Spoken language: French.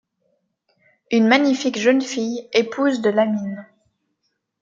Une magnifique jeune fille, épouse de Lamine.